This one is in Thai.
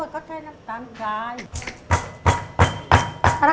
ก็ใช้น้ำตาลทราย